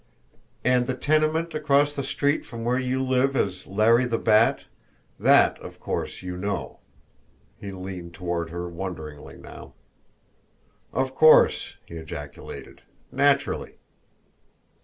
"And the tenement across the street from where you live as Larry the Bat that, of course, you know." He leaned toward her wonderingly now. "Of course!" he ejaculated. "Naturally!"